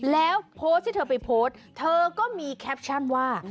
แล้วโพสต์ที่เธอไปโพสต์เธอก็มีแคปชั่นว่า